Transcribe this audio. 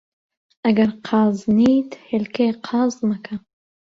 ئەگەر قازنیت، هێلکەی قاز مەکە